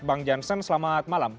bang jansen selamat malam